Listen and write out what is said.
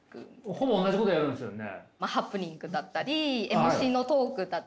ほぼ同じことやるんですよね？